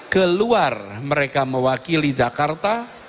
keluar mereka mewakili jakarta